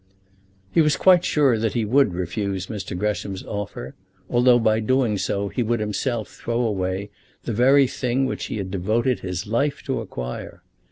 He was quite sure that he would refuse Mr. Gresham's offer, although by doing so he would himself throw away the very thing which he had devoted his life to acquire.